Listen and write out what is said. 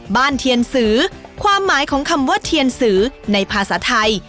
เทียนสือความหมายของคำว่าเทียนสือในภาษาไทย